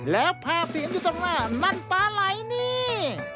แล้วภาพที่เห็นอยู่ตรงหน้านั่นปลาไหลนี่